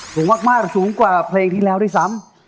สูงมากสูงกว่าเพลงที่แล้วด้วยซ้ำ